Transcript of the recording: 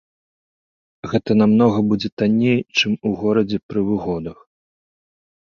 Гэта намнога будзе танней, чым у горадзе пры выгодах.